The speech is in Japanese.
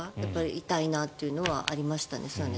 痛いなというのはありました。